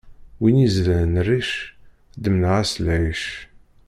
Wi yezlan rric, ḍemneɣ-as lɛic.